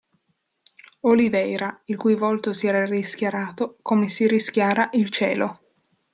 Oliveira, il cui volto si era rischiarato, come si rischiara il cielo.